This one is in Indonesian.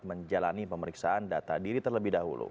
menjalani pemeriksaan data diri terlebih dahulu